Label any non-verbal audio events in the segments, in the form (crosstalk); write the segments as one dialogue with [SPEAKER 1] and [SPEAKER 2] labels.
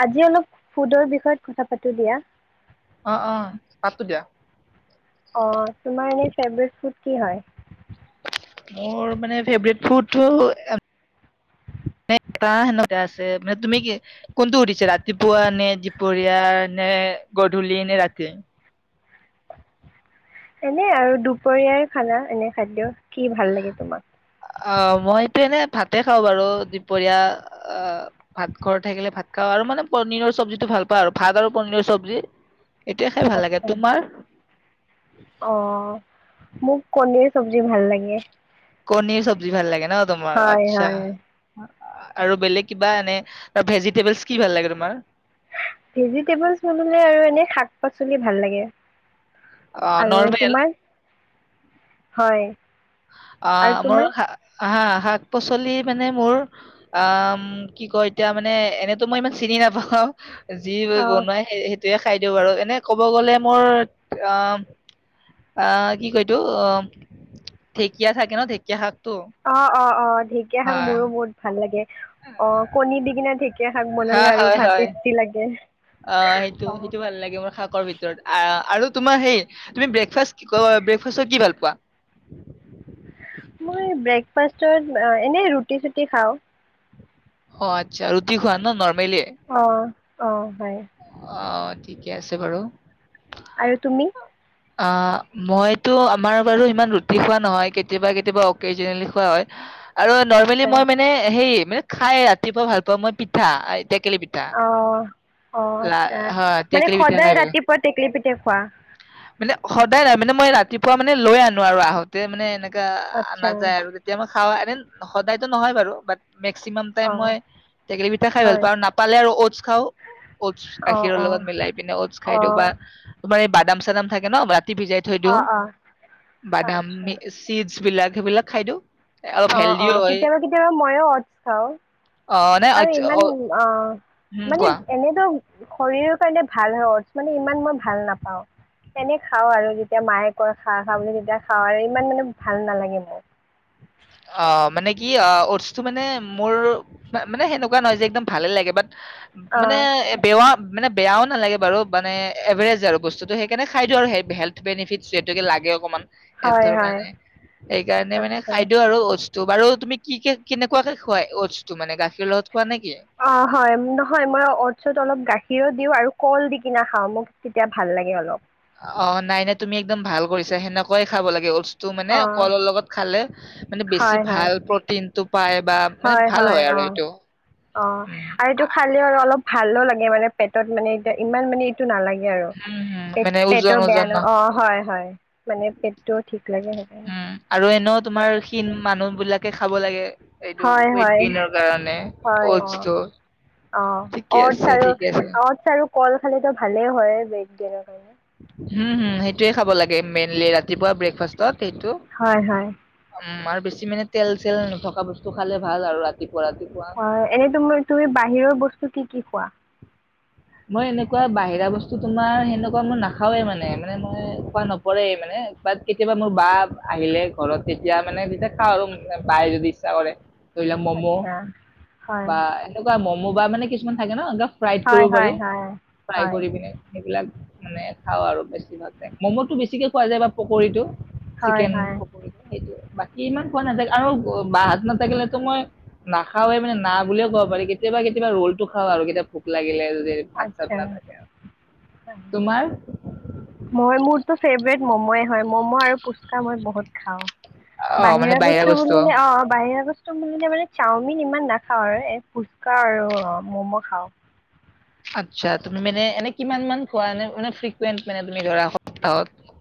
[SPEAKER 1] আজি অলপ ফুডৰ বিষয়ত কথা পাতো দিয়া।
[SPEAKER 2] অ অ দিয়া
[SPEAKER 1] অ তোমাৰ এনে ফেভৰেট ফুড কি হয়?
[SPEAKER 2] মোৰ মানে ফেভৰেট ফুলটো এ তাহ হে কে আছে মানে তুমি কি কোনটো শুধিছিলা ৰাতিপুৱা নে দীপৰীয়া নে গধূলি নে ৰাতি?
[SPEAKER 1] এনে আৰু দুপৰীয়াই খানা এনে খাদ্য কি ভাল লাগে তোমাক?
[SPEAKER 2] অ মইটো এনে ভাতে খাওঁ বাৰু দুপৰীয়া অ ভাত ঘৰ থাকিলে ভাত খাওঁ আৰু মানে পনীৰৰ চব্জিটো ভাল পাওঁ আৰু ভাত আৰু পনীৰৰ চব্জি। এতিয়া খাই ভাল লাগে,
[SPEAKER 1] আচ্ছা
[SPEAKER 2] তোমাৰ?
[SPEAKER 1] অ মোক কণীৰ চব্জি ভাল লাগে।
[SPEAKER 2] কণীৰ চব্জি ভাল লাগে। ন তোমাৰ
[SPEAKER 1] হয় হয়
[SPEAKER 2] আচ্ছা আৰু বেলেগ কিবা এনে ভেজিটেবলছ কি ভাল লাগে তোমাৰ?
[SPEAKER 1] ভেজিটেবলছ বনে আৰু এনে শাক পাচলি ভাল লাগে।
[SPEAKER 2] অ
[SPEAKER 1] আৰু
[SPEAKER 2] নৰমেল।
[SPEAKER 1] তোমাৰ হয়।
[SPEAKER 2] অ
[SPEAKER 1] আৰু
[SPEAKER 2] মোৰ
[SPEAKER 1] তোমাৰ
[SPEAKER 2] সা আহা শাক-পাচলি মানে মোৰ আ কি কয় এতিয়া মানে এনেতো মই ইমান চিনি নাপাওঁ যি
[SPEAKER 1] অ
[SPEAKER 2] বনাই সেই সেই তেয় খাই দিওঁ বাৰু এনে কব গলে মোৰ অ অ কি কয় এইটো ঢেঁকীয়া থাকে ন ঢেঁকীয়া শাক
[SPEAKER 1] অ অ অ ঢেঁকীয়া শাক মোৰো বহুত ভাল লাগে। অ কণী দি কিনে ঢে ঢেঁকীয়া শাক
[SPEAKER 2] হা
[SPEAKER 1] বনালে আৰু
[SPEAKER 2] হয়
[SPEAKER 1] ভাত
[SPEAKER 2] হয়
[SPEAKER 1] টেষ্টি লাগে।
[SPEAKER 2] অ সেইটো
[SPEAKER 1] অ
[SPEAKER 2] সেইটো ভাল লাগে মোৰ শাকৰ ভিতৰত আ আ আৰু তোমাৰ সেই তুমি ব্ৰেকফাষ্ট কি ক ব্ৰেকফাষ্টত কি ভাল পোৱা?
[SPEAKER 1] ফাৰ্ষ্টত এনেই ৰুটি চুটি খাওঁ।
[SPEAKER 2] অ আচ্ছা ৰুটি খোৱা ন নৰ্ম
[SPEAKER 1] অ অ হয়।
[SPEAKER 2] অ ঠিকে আছে বাৰু।
[SPEAKER 1] আৰু তুমি?
[SPEAKER 2] অ মইতো আমাৰ বাৰু ইমান ৰুটি খোৱা নহয় কেতিয়াবা কেতিয়াব অকেজনেলি খোৱা হয়। আৰু নৰ্মেলি
[SPEAKER 1] আচ্ছা
[SPEAKER 2] মই মানে সেই মে খাই ৰাতিপুৱা ভাল পা মই পিঠা। টেকেলি পিঠা
[SPEAKER 1] অ, অ,
[SPEAKER 2] লা
[SPEAKER 1] আচ্ছা
[SPEAKER 2] হয়
[SPEAKER 1] মানে
[SPEAKER 2] টেকেলি পিঠা খাই
[SPEAKER 1] সদায়
[SPEAKER 2] ভাল
[SPEAKER 1] ৰাতিপুৱা টেকেলি পিটা খোৱা?
[SPEAKER 2] মানে সদায় নাই মানে মই ৰাতিপুৱা মানে লৈ আনো আৰু আহোঁতে মানে এনে
[SPEAKER 1] আচ্ছা
[SPEAKER 2] অনা যায় আৰু তেতিয়া মই খাও এনে সদায়তো নহয় বাৰু বাট মেক্সিমাম টাইম
[SPEAKER 1] অ
[SPEAKER 2] মই টেকেলি পিঠা খাই ভাল
[SPEAKER 1] হয়
[SPEAKER 2] পাওঁ আৰু নাপালে আৰু ওটচ খাও। ওটছ
[SPEAKER 1] অ
[SPEAKER 2] গাখীৰৰ
[SPEAKER 1] অ
[SPEAKER 2] লগত মিলাই পিনে ওটছ খাই
[SPEAKER 1] অ
[SPEAKER 2] দিওঁ বা তোমাৰ এই বাদাম (unintelligible) (unintelligible) ভিজাই থৈ
[SPEAKER 1] অ
[SPEAKER 2] দিওঁ।
[SPEAKER 1] অ
[SPEAKER 2] বাদাম
[SPEAKER 1] আচ্ছা
[SPEAKER 2] চিজ বিলাক সেইবিলাক খাই দিওঁ। অলপ
[SPEAKER 1] অ, অ,
[SPEAKER 2] হেল্ডিও হয়
[SPEAKER 1] কেতিয়াবা কেতিয়াবা ময়ো অতাখাও
[SPEAKER 2] অ নাই
[SPEAKER 1] আৰু
[SPEAKER 2] আচ্ছা,
[SPEAKER 1] ইমান অ
[SPEAKER 2] উম
[SPEAKER 1] মানে
[SPEAKER 2] কোৱা
[SPEAKER 1] এনেটো শৰীৰৰ কাৰণে ভাল হয় ওটচ মানে ইমান মই ভাল নাপাও। এনে খাওঁ আৰু তেতিয়া মায়ে কয় খা খা বুলি যেতিয়া খাওঁ আৰু ইমান মানে ভাল নালাগে মোৰ।
[SPEAKER 2] অ মানে কি অ অটছটো মানে মোৰ মানে সেনেকুৱা নহয় যে একদম ভালে লাগে বাট
[SPEAKER 1] অ
[SPEAKER 2] মানে
[SPEAKER 1] আচ্ছা
[SPEAKER 2] বেয়া মানে বেয়াও নালাগে বাৰু মানে এভাৰেজ আৰু বস্তুতটো সেইকাৰণে খাই দিওঁ আৰু হেল্থ বেনিফিট যিহেতুকে লাগে অকণমান।
[SPEAKER 1] হয়
[SPEAKER 2] হেল্থৰ
[SPEAKER 1] হয়
[SPEAKER 2] কাৰণে এইকাৰণে মানে
[SPEAKER 1] আচ্ছা
[SPEAKER 2] খাদ্য ওটছ বাৰু তুমি কি কে কেনেকুৱাকে খোৱা ওটছ তো মানে গাখীৰ লগত খোৱা নেকি?
[SPEAKER 1] অ, হয়, নহয় মই ওটছ অলপ গাখীৰত দিওঁ আৰু কল দি কিনা খাওঁ মোক তেতিয়া ভাল লাগে অলপ।
[SPEAKER 2] অ নাই নাই তুমি একদম ভাল কৰিছা সেনেকুৱাই খাব লাগে ওটছ এটো মানে
[SPEAKER 1] অ'
[SPEAKER 2] কলৰ লগত খালে মানে বেছি
[SPEAKER 1] হয় হয়
[SPEAKER 2] ভাল প্ৰটিনটো পায় বা মানে
[SPEAKER 1] হয়,
[SPEAKER 2] ভাল
[SPEAKER 1] হয়
[SPEAKER 2] আৰু
[SPEAKER 1] অ',
[SPEAKER 2] এইটো
[SPEAKER 1] অ'
[SPEAKER 2] উম
[SPEAKER 1] আৰু এইটো খালি আৰু অলপ ভালো লাগে মানে পেটত মানে এতিয়া ইমান মানে নালাগে আৰু
[SPEAKER 2] হম হম
[SPEAKER 1] পে
[SPEAKER 2] মানে ওজন
[SPEAKER 1] পেটৰ বেয়া
[SPEAKER 2] ওজন
[SPEAKER 1] ন অ, হয় হয় মানে পেটটো ঠিক লাগে।
[SPEAKER 2] উম কে খাব লাগে এইটো
[SPEAKER 1] হয়
[SPEAKER 2] ওৱেইট
[SPEAKER 1] হয়
[SPEAKER 2] গেইনৰ কাৰণে
[SPEAKER 1] হয় অ'
[SPEAKER 2] অটছটো
[SPEAKER 1] অ'
[SPEAKER 2] ঠিকে
[SPEAKER 1] অ'টছ
[SPEAKER 2] আছে
[SPEAKER 1] আৰু
[SPEAKER 2] ঠিকে আছে
[SPEAKER 1] অ'টছ আৰু কল খালিটো ভালে হয় ওৱেইট গেইনৰ কাৰণে
[SPEAKER 2] হু হু সেইটোয়ে খাব লাগে মেইনলি ৰাতিপুৱা ব্ৰেকফাষ্টত সেইটো
[SPEAKER 1] হয়। হয়।
[SPEAKER 2] উম। আৰু বেছি মানে তেল-চেল নথকা বস্তু খালে ভাল আৰু ৰাতি
[SPEAKER 1] অ এনেই তো মই তুমি বাহিৰৰ বস্তু কি কি কোৱা?
[SPEAKER 2] মই এনেকুৱা বাহিৰা বস্তু, তোমাৰ সেনেকুৱা মই নাখাওৱেই মানে। মানে, মই খোৱা নপৰেই মানে। বাট, কেতিয়াবা মোৰ বা আহিলে ঘৰত, তেতিয়া মানে, তেতিয়া খাওঁ আৰু উম, ম, বায়ে যদি ইচ্ছা কৰে। ধৰি লোৱা মম
[SPEAKER 1] আচ্ছা হয়
[SPEAKER 2] বা এনেকুৱা মম মোবা মানে কিছুমান থাকে ন ফ্ৰাইড
[SPEAKER 1] হয়
[SPEAKER 2] কৰিব
[SPEAKER 1] হয়
[SPEAKER 2] পাৰে
[SPEAKER 1] হয়
[SPEAKER 2] ফ্ৰাই
[SPEAKER 1] হয়
[SPEAKER 2] কৰি পিনে সেইবিলাক মানে খাও আৰু বেছি ভাগ মমতো বেছিকে খোৱা যায় বা পকৰিটো
[SPEAKER 1] হয়
[SPEAKER 2] চিকেন
[SPEAKER 1] হয়
[SPEAKER 2] পকৰীযে, সেইটোয়ে। বা কি ইমান খোৱা নাথা আৰু বাহাত নাথাকিলেতো মই নাখাওঁয়ে মানে না বুলিয়ে কব পাৰি, কেতিয়াবা কেতিয়াবা ৰোলটো খাও আৰু কেতিয়া ভোক লাগিলে যদি ভাত চাত
[SPEAKER 1] আটছা,
[SPEAKER 2] নাথাকে তোমাৰ?
[SPEAKER 1] মই মোৰটো ফেভৰেত মম য়ে হয় মম আৰু পুচ কামত বহুত খাও। বাহিৰা বস্তু বুলিলে অ', বাহিৰা বচ চো মই মানে চাওমিন ইমান নাখাওঁ এ, ফুচকা আৰু ম'ম খাওঁ।
[SPEAKER 2] আচ্ছা তুমি মানে এনে কিমান মান খোৱা এনে মানে, ফ্ৰিকুৱেণ্ট মানে তুমি ধৰা সপ্তাহত?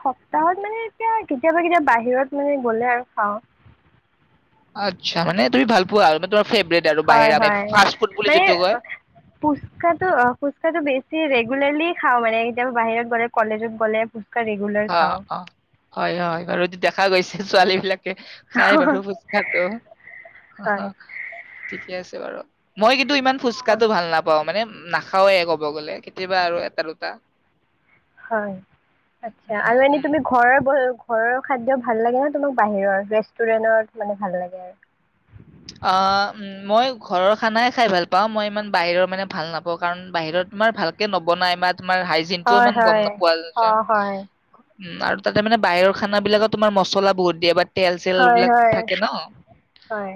[SPEAKER 1] সপ্তাহত মানে এতিয়া কেতিয়াবা কেতিয়াবা বাহিৰত মানে গ'লে আৰু খাওঁ।
[SPEAKER 2] আচ্ছা মানে তুমি ভাল পোৱা আৰু (unintelligible) আৰু
[SPEAKER 1] হয়
[SPEAKER 2] বাহিৰা মানে
[SPEAKER 1] হয়
[SPEAKER 2] ফাষ্ট ফুড বুলি
[SPEAKER 1] মানে
[SPEAKER 2] যোনটো কয়।
[SPEAKER 1] অ, ফুচকাটো অ', ফুচকাটো বেছি ৰেগুলাৰলি খাওঁ মানে কেতিয়াবা বাহিৰত গ'লে কলেজত গ'লে ফুচ
[SPEAKER 2] অ অ, হয় হয়, আৰু দেখা গৈছে ছোৱালীবিলাক খাই বাৰু ফুচকাটো। অ,
[SPEAKER 1] হয়
[SPEAKER 2] ঠিকে আছে বাৰু। মই কে কিন্ত ইমান
[SPEAKER 1] অ,
[SPEAKER 2] ফুচকাটো ভাল নাপাও, মানে নাখাওঁয়ে ক'ব গ'লে, কেতিয়াবা আৰু এটা দুটা
[SPEAKER 1] হয়। আচ্ছা, আৰু এনে
[SPEAKER 2] উম,
[SPEAKER 1] তুমি ঘৰৰ (unintelligible) ঘৰৰ খাদ্য ভাল লাগে নে? তোমাক বাহিৰৰ ৰেষ্টুৰেণ্টৰ, মানে ভাল লাগে আৰু
[SPEAKER 2] অ, মই ঘৰৰ খানাই খাই ভাল পাওঁ। মই ইমান বাহিৰৰ, মানে, ভাল নাপাওঁ, কাৰণ বাহিৰত তোমাৰ ভালকে নবনাই বা তোমাৰ হাইজিনটোও
[SPEAKER 1] হয়
[SPEAKER 2] ইমান গম
[SPEAKER 1] হয়
[SPEAKER 2] নোপোৱা
[SPEAKER 1] অ
[SPEAKER 2] যায়।
[SPEAKER 1] হয়
[SPEAKER 2] উম, আৰু তাতে, মানে, বাহিৰৰ খানা বিলাকত তোমাৰ মচলা বহুত দিয়ে বাত তোমাৰ তেল চেল
[SPEAKER 1] হয়
[SPEAKER 2] বিলাক
[SPEAKER 1] হয়
[SPEAKER 2] থাকে ন
[SPEAKER 1] হয়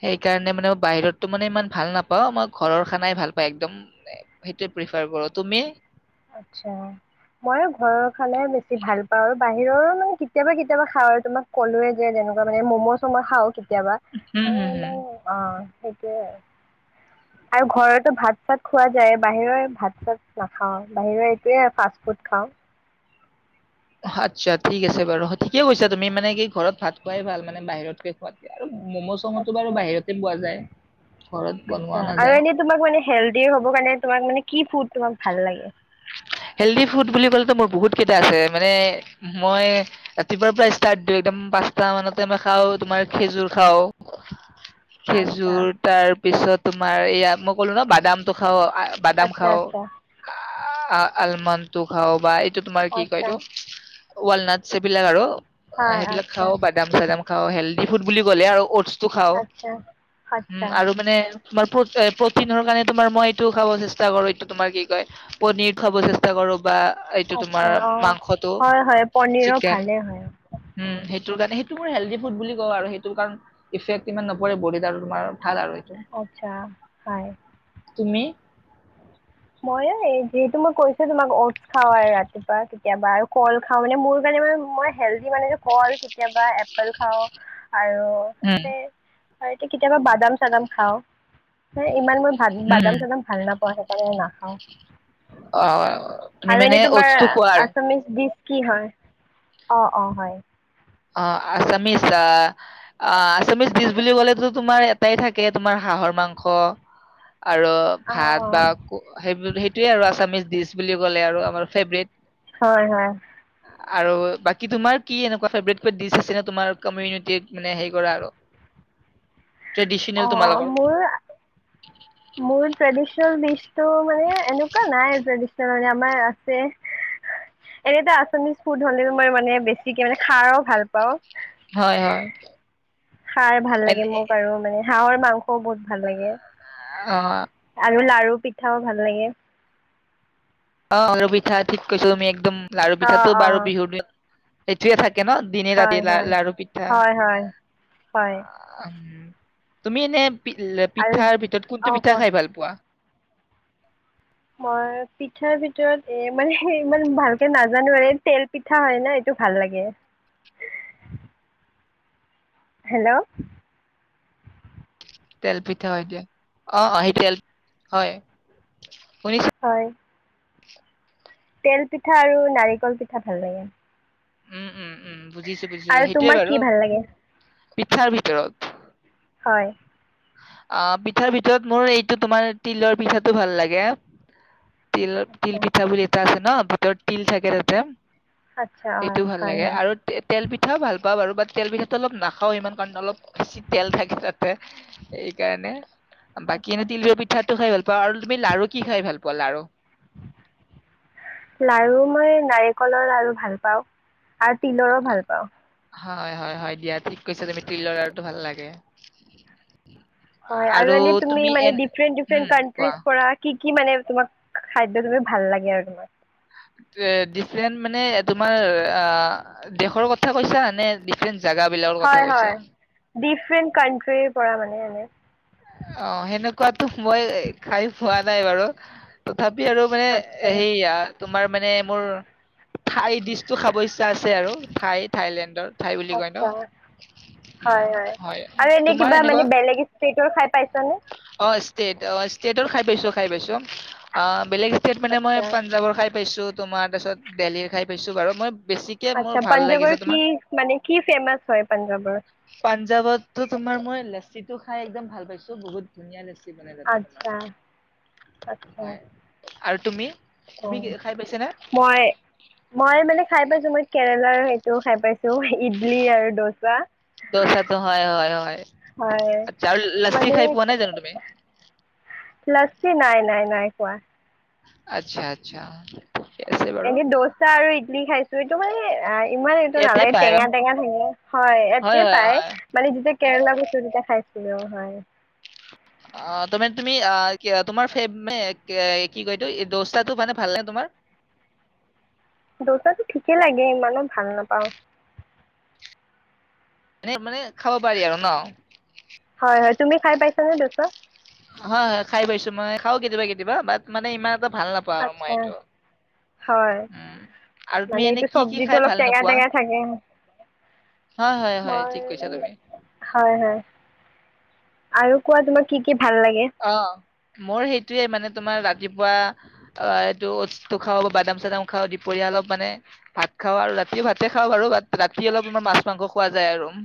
[SPEAKER 2] সেইকাৰণে মানে বাহিৰতটো মানে ইমান ভাল নাপাওঁ মই ঘৰৰ খানাই ভাল পাও একদম সেইটোৱেই প্ৰিফাৰ কৰো তুমি
[SPEAKER 1] আচ্ছা মই ঘৰৰ খালে বেছি ভাল পাও আৰু বাহিৰৰো মানে কেতিয়াবা কেতিয়াবা খাওঁ আৰু তোমাক ক'লোৱয়ে যেনেকুৱা মানে মম' চম খাওঁ কেতিয়াবা
[SPEAKER 2] উম,
[SPEAKER 1] আৰু
[SPEAKER 2] হুম, হুম।
[SPEAKER 1] এনেই অ সেইটোৱে আৰু আৰু ঘৰতো ভাত চাত খোৱা যায় বাহিৰৰ ভাত চাত নাখাওঁ বাহিৰৰ এইটোৱে ফাষ্ট ফুড খাওঁ
[SPEAKER 2] আচ্ছা ঠিক আছে বাৰু ঠিকে কৈছা তুমি মানে কি ঘৰত ভাত খোৱাই ভাল মানে বাহিৰতকে খোৱ দিয়া আৰু ম'ম' চম'তটো বাৰু বাহিৰতে পোৱা যায়। ঘৰত
[SPEAKER 1] আা
[SPEAKER 2] বনোৱা
[SPEAKER 1] আৰু
[SPEAKER 2] নাযায়।
[SPEAKER 1] এনে তম ম হেল হ কাৰণ কি ফু
[SPEAKER 2] হেলডি ফুড বুলি ক'লেতো মই বহুত কেইটা আছে মানে মই ৰাতিপুৱা প্ৰায় ষ্টাৰ্ট দিওঁ একদম পাঁচটা মানতে মই খাওঁ তোমাৰ খেজুৰ খাও
[SPEAKER 1] আচ্ছা
[SPEAKER 2] খেজুৰ তাৰ পিছত তোমাৰ ইয়াাত মই ক'লো ন বাদামটো খাও বাদাম
[SPEAKER 1] আচ্ছা
[SPEAKER 2] খাওঁ।
[SPEAKER 1] আচ্ছা
[SPEAKER 2] আলমন্দ তো খাও বাই টো তোমাৰ কি
[SPEAKER 1] আচ্ছা
[SPEAKER 2] কয়তো ৱালনাথ চবিলাক আৰু অ
[SPEAKER 1] হয়
[SPEAKER 2] সেইবিলাক
[SPEAKER 1] আচ্ছা
[SPEAKER 2] খাও বাদাম চাদাম খাওঁ হেলডি ফুড বুলি ক'লে আৰু টো খাও
[SPEAKER 1] আচ্ছা
[SPEAKER 2] উম
[SPEAKER 1] আচ্ছা
[SPEAKER 2] আৰু মানে তোমাৰ প্ৰটিনৰ কাৰণে তোমাৰ মই এইটো খাব চেষ্টা কৰো এইটো তোমাৰ কি পনীৰ খাব চেষ্টা কৰো বা এইটো
[SPEAKER 1] আচ্ছা
[SPEAKER 2] তোমাৰ
[SPEAKER 1] অঁ
[SPEAKER 2] মাংসটো
[SPEAKER 1] হয় হয় পনীৰো
[SPEAKER 2] চিকেন
[SPEAKER 1] ভালেই হয়
[SPEAKER 2] উম
[SPEAKER 1] হয়
[SPEAKER 2] সেইটোৰ কাৰণে সেই ম হেল্ডি ফুড বুলি কওঁ আৰু সেইটো কাৰণ ইফেক্ট ইমান নপৰে বডিত আৰু তোমাৰ ভাল আৰু এইটো
[SPEAKER 1] আচ্ছা হয়
[SPEAKER 2] তুমি
[SPEAKER 1] মই এই যিহেতু মই কৈছো তোমাক অটছ খাও আৰু ৰাতিপুৱা কেতিয়াবা আৰু কল খাও মানে মোৰ কাৰণে ম মই হেলডি মানে কল কেতিয়াবা এপল খাওঁ আৰু
[SPEAKER 2] উম,
[SPEAKER 1] সেই হয়, এইটো কেতিয়াবা বাদাম-চাদাম খাওঁ। হয়, ইমান মোৰ খাল
[SPEAKER 2] হম,
[SPEAKER 1] বাদাম চাদাম খাল নাপ হয় তে নাখাওঁ
[SPEAKER 2] অ', তুমি
[SPEAKER 1] আৰু এনে
[SPEAKER 2] মানে
[SPEAKER 1] তোমাৰ
[SPEAKER 2] অস্তু খোৱা আৰু।
[SPEAKER 1] আছামিজ ডিচ কি হয়? অ, অ, হয়।
[SPEAKER 2] অ আচামিজ আহ অ আচামিজ ডিচ বুলি কলে টো তোমাৰ এটাই থাকে তোমাৰ হাঁহৰ মাংস আৰু
[SPEAKER 1] অ
[SPEAKER 2] ভাত বা সেই সেইটোয়ে আৰু আছামিচ দিছ। বুলি কলে আৰু আমাৰ ফেব্ৰেত।
[SPEAKER 1] হয় হয়।
[SPEAKER 2] আৰু বাকী তোমাৰ কি এনেকুৱা ফেভৰেট? কিবা দিছ আছে নে তোমাৰ, কমিউনিটিত মানে হেৰি কৰা আৰু ট্ৰেডিচনেল
[SPEAKER 1] অ
[SPEAKER 2] তোমালোকৰ
[SPEAKER 1] মোৰ মোৰ ট্ৰেডিচনেল ডিচ টো মানে এনেকুৱা নাই ট্ৰেডিচনেল মানে আমাৰ আছে এনে এটা আচামিজ ফুড হলেও মই মানে বেছিকে মানে খাৰো ভাল পাও।
[SPEAKER 2] হয় হয়।
[SPEAKER 1] সাৰ ভাল
[SPEAKER 2] এনে
[SPEAKER 1] লাগে মোক আৰু মানে হাঁহৰ মাংসও বহুত ভাল লাগে।
[SPEAKER 2] অ',
[SPEAKER 1] আৰু লাৰু পিঠাও ভাল লাগে।
[SPEAKER 2] অ আৰু পিঠা ঠিক কৈছা তুমি একদম। লাৰু
[SPEAKER 1] অ
[SPEAKER 2] পিঠাটো
[SPEAKER 1] অ
[SPEAKER 2] বাৰু বিহুৰ দিনত এইটোৱেই থাক কেন দিনে
[SPEAKER 1] হয়
[SPEAKER 2] ৰাতি লা
[SPEAKER 1] হয়
[SPEAKER 2] লাৰু পিঠা।
[SPEAKER 1] হয় হয় হয়
[SPEAKER 2] অম তুমি এনে পিল্লে
[SPEAKER 1] আৰু
[SPEAKER 2] পিঠাৰ ভিতৰত
[SPEAKER 1] অ
[SPEAKER 2] কোনটো পিঠা
[SPEAKER 1] কোৱা
[SPEAKER 2] খাই ভাল পোৱা?
[SPEAKER 1] মই পিঠাৰ ভিতৰত, এ মানে ইমান ভালকে নাজানো আৰু তেল পিঠা হয় না এইটো ভাল লাগে। হেল্ল?
[SPEAKER 2] তেলপিঠা হয় দিয়া, অ অ হেই, তেল, হয়। শুনিছো
[SPEAKER 1] হয়। তেল পিঠা আৰু নাৰিকল পিঠা ভাল লাগে।
[SPEAKER 2] উম উম উম বুজিছো বুজিছো
[SPEAKER 1] আৰু
[SPEAKER 2] সেইটোৱে
[SPEAKER 1] তোমাক কি
[SPEAKER 2] বাৰু
[SPEAKER 1] ভাল লাগে
[SPEAKER 2] পিঠাৰ ভিতৰত?
[SPEAKER 1] হয়
[SPEAKER 2] অ পিঠাৰ ভিতৰত মোৰ এইটো তোমাৰ- তিলৰ পিঠাটো ভাল লাগে। তিলৰ
[SPEAKER 1] আচ্ছা
[SPEAKER 2] তিল পিঠা বুলি এটা আছে ন ভিতৰত তিল থাকে তাতে।
[SPEAKER 1] আচ্ছা হয়
[SPEAKER 2] সেইটো ভাল
[SPEAKER 1] হয়
[SPEAKER 2] লাগে
[SPEAKER 1] হয়
[SPEAKER 2] আৰু তেল পিঠাও ভাল পাওঁ বাৰু বাত তেল পিঠাটো অলপ নাখাওঁ ইমান কাৰণে অলপ বেছি তেল থাকে তাতে সেইকাৰণে। বাকী
[SPEAKER 1] আচ্ছা
[SPEAKER 2] এনে তিলৰ পিঠাতটো খাই ভাল পাওঁ আৰু তুমি লাৰু কি খাই ভাল পোৱা? (unintelligible) আৰু
[SPEAKER 1] লাৰু মই নাৰিকলৰ লাৰু ভাল পাওঁ আৰু তিলৰো ভাল পাওঁ।
[SPEAKER 2] হয় হয় হয় দিয়া ঠিক কৈছা তুমি তিলৰ লাৰুটো ভাল লাগে।
[SPEAKER 1] হয় আৰু এনেই তুমি মানে
[SPEAKER 2] উম
[SPEAKER 1] ডিফাৰেণ্ট-ডিফাৰেণ্ট
[SPEAKER 2] কোৱা
[SPEAKER 1] কানট্ৰিজ পৰা কি কি মানে তোমাক, খাদ্য তুমি ভাল লাগে আৰু তোমাক
[SPEAKER 2] এ ডিফৰেন্ট মানে তোমাৰ, আ, দেশৰ কথা কৈছা, নে ডিফৰেন্ট
[SPEAKER 1] হয় হয়। ডিফ্ৰেণ্ট কানট্ৰি কৰা মানে, এনে
[SPEAKER 2] অ', সেনেকুৱাতো মই খাই পোৱা নাই বাৰু। ভাবি আৰু মানে
[SPEAKER 1] আচ্ছা
[SPEAKER 2] সেয়া, তোমাৰ মানে মোৰ থাই দিচটো খাব (unintelligible) আছে আৰু ঠাই, থাইলেণ্ডৰ ঠাই বুলি কয় ন?
[SPEAKER 1] আচ্ছা
[SPEAKER 2] উম
[SPEAKER 1] হয়
[SPEAKER 2] হয়
[SPEAKER 1] আৰু এনে
[SPEAKER 2] তোমাৰ
[SPEAKER 1] কিবা মানে
[SPEAKER 2] এনেকুৱা
[SPEAKER 1] বেলেগ ষ্টেটৰ খাই পাইছানে
[SPEAKER 2] অ', ষ্টেট ষ্টেটৰ খাই পাইছোঁ, খাই পাইছোঁ। বেলেগ ষ্টেট মানে মই,
[SPEAKER 1] আচ্ছা
[SPEAKER 2] পাঞ্জাৱৰ খাই পাইছোঁ তোমাৰ তাছত দেলহীৰ খাই পাইছোঁ বাৰু মই বেছিকে মোৰ
[SPEAKER 1] আচ্ছা
[SPEAKER 2] ভাল লাগিছে
[SPEAKER 1] পাঞ্জাৱৰ কি
[SPEAKER 2] তোমাৰ
[SPEAKER 1] মানে কি ফেমাচ হয় পাঞ্জাৱৰ?
[SPEAKER 2] যিটো খাই একদম ভাল পাইছোঁ। তো বহুত ধুনীয়া লাগছ ন য
[SPEAKER 1] আচ্ছা
[SPEAKER 2] তোমাৰ হয় আৰু তুমি তুমি কি
[SPEAKER 1] অ',
[SPEAKER 2] খাই পাইছা না
[SPEAKER 1] মই, মই মানে খাই পাইছোঁ মই কেৰেলাৰ সেইটো খাই পাইছোঁ, ইডলি আৰু দোচা।
[SPEAKER 2] দোচাটো হয়, হয়, হয়
[SPEAKER 1] হয়
[SPEAKER 2] আটচ্চা আৰু লাচ্ছি
[SPEAKER 1] মানে
[SPEAKER 2] খাই পোৱা নাই জান তুমি?
[SPEAKER 1] স নাই নাই নাই কোৱা
[SPEAKER 2] আচ্ছা, আচ্ছা। ঠিকে আছে বাৰু
[SPEAKER 1] এনে দোচা আৰু ইডলি খাইছো এইটো মানে (unintelligible) ইমান এইটো
[SPEAKER 2] ইয়াতে
[SPEAKER 1] নালাগে
[SPEAKER 2] পাই অ।
[SPEAKER 1] টেঙা টেঙা (unintelligible) হয় ইয়াতেই
[SPEAKER 2] হয়
[SPEAKER 1] পাই,
[SPEAKER 2] হয়
[SPEAKER 1] মানে যেতিয়া কেৰেলা গৈছোঁ তেতিয়া খাইছোঁ। (unintelligible)
[SPEAKER 2] অ', তমে তুমি আ, (unintelligible) তোমাৰ ফেব নে আ, কি কয় এইটো দোচাটো মানে ভালনে তোমাৰ?
[SPEAKER 1] দোচাটো ঠিকে লাগে, ইমানো ভাল নাপাওঁ।
[SPEAKER 2] এ মানে খাব পাৰি আৰু
[SPEAKER 1] হয় হয়
[SPEAKER 2] ন?
[SPEAKER 1] তুমি খাই পাইছানে দোচা?
[SPEAKER 2] হয় খাই পাইছো মই খাওঁ কেতিয়াবা কেতিয়াবা বাট মানে ইমান ভাল নাপাওঁ আৰু মই
[SPEAKER 1] আচ্ছা
[SPEAKER 2] এইটো।
[SPEAKER 1] হয়
[SPEAKER 2] উম, আৰু তুমি
[SPEAKER 1] মানে
[SPEAKER 2] এনে
[SPEAKER 1] এইটো
[SPEAKER 2] কি কি
[SPEAKER 1] চব্জিটো
[SPEAKER 2] খাই
[SPEAKER 1] অলপ
[SPEAKER 2] ভাল
[SPEAKER 1] টেঙা
[SPEAKER 2] নোপোৱা?
[SPEAKER 1] টেঙা থাকে
[SPEAKER 2] হয় হয় হয়
[SPEAKER 1] মই,
[SPEAKER 2] ঠিক কৈছা তুমি।
[SPEAKER 1] হয় হয়। আৰু কোৱা তোমাৰ কি কি ভাল লাগে।
[SPEAKER 2] অ মোৰ সেইটোয়ে মানে তোমাৰ ৰাতিপুৱা অ এইটো খাওঁ বাদাম চাদাম খাওঁ দুপৰীয়া অলপ মানে ভাত খাওঁ আৰু ৰাতিও ভাতে খাওঁ বাৰু ভাত ৰাতি অলপ ইমান মাছ মাংস খোৱা যায় আৰু। (inaudible)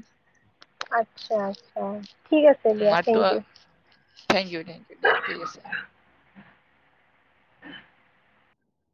[SPEAKER 1] আচ্ছা আচ্ছা। ঠিক আছে দিয়া।
[SPEAKER 2] মাৰটো
[SPEAKER 1] থেংক ইউ।
[SPEAKER 2] Thank you. থউ দিয়া ঠিক আছে।